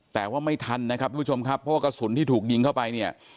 แต่ว่าไม่ทันนะครับทุกผู้ชมครับเพราะว่ากระสุนที่ถูกยิงเข้าไปเนี่ย